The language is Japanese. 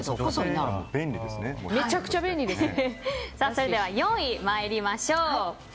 それでは４位参りましょう。